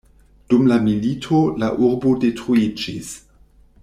Dum la milito la urbo detruiĝis.